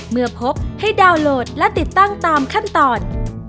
เมื่อพบให้ดาวน์โหลดและติดตั้งตามขั้นตอน